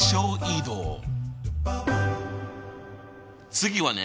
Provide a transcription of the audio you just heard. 次はね